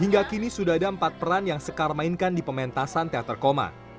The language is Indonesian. hingga kini sudah ada empat peran yang sekar mainkan di pementasan teater koma